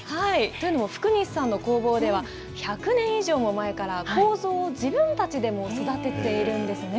というのも、福西さんの工房では、１００年以上も前から、こうぞを自分たちでも育てているんですね。